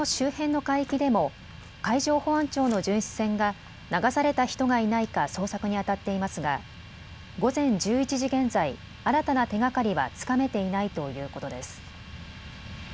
また国後島の周辺の海域でも海上保安庁の巡視船が流された人がいないか捜索にあたっていますが午前１１時現在、新たな手がかりはつかめていないということです。